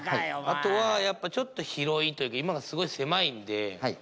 あとはやっぱちょっと広い今がすごい狭いんで。